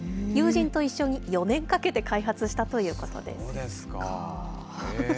友人と一緒に４年かけて開発したそうですか。